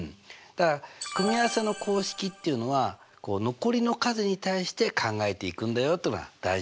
だから組合せの公式っていうのは残りの数に対して考えていくんだよってのが大事なんだな。